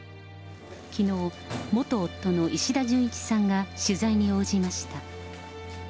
きのう、元夫の石田純一さんが取材に応じました。